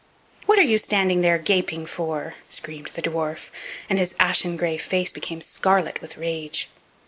"What are you standing there gaping for?" screamed the dwarf, and his ashen gray face became scarlet with rage.